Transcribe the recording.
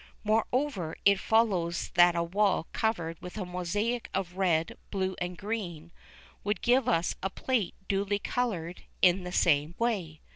Moreover, it follows that a wall covered with a mosaic of red, blue and green would give us a plate duly coloured in the same way.